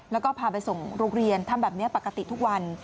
แล้วก็พาไปส่งโรงเรียนทำแบบนี้ปกติทุกวัน